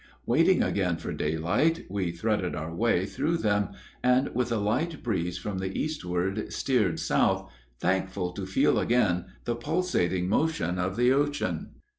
Waiting again for daylight, we threaded our way through them, and with a light breeze from the eastward steered south, thankful to feel again the pulsating motion of the ocean.